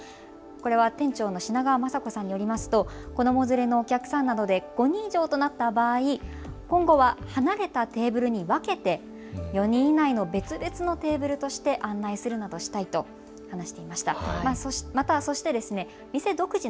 これは店長の品川昌子さんによりますと子ども連れのお客さんなどで５人以上となった場合、今後は離れたテーブルに分けて４人以内の別々のテーブルとして案内するなどしたいと話していました。